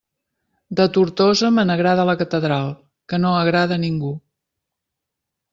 De Tortosa me n'agrada la catedral, que no agrada a ningú!